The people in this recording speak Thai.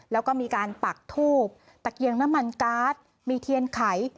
แล้วก็มีการปักทูบตะเกียงน้ำมันการ์ดมีเทียนไข